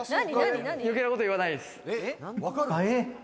余計なこと言わないです。